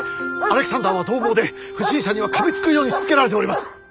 アレキサンダーはどう猛で不審者にはかみつくようにしつけられております。